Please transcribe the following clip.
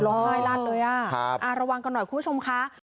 ร้องไห้ลาดเลยอ่ะอ่ะระวังกันหน่อยคุณผู้ชมค่ะ